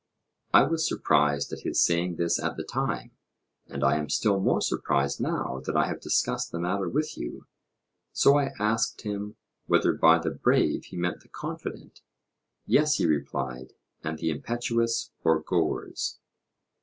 I was surprised at his saying this at the time, and I am still more surprised now that I have discussed the matter with you. So I asked him whether by the brave he meant the confident. Yes, he replied, and the impetuous or goers.